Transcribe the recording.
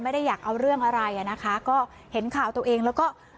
ไม่ได้อยากเอาเรื่องอะไรอ่ะนะคะก็เห็นข่าวตัวเองแล้วก็